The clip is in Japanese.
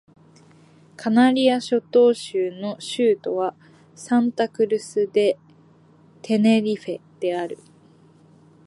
カナリア諸島州の州都はサンタ・クルス・デ・テネリフェである